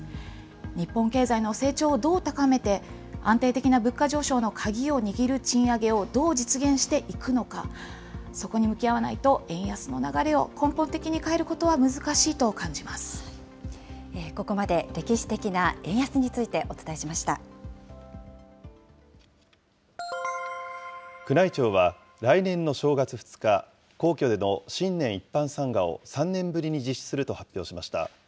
日本経済の成長をどう高めて、安定的な物価上昇の鍵を握る賃上げをどう実現していくのか、そこに向き合わないと円安の流れを根本的に変えることは難しいとここまで歴史的な円安につい宮内庁は、来年の正月２日、皇居での新年一般参賀を３年ぶりに実施すると発表しました。